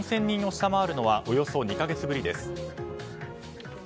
４０００人を下回るのはおよそ２か月ぶりです。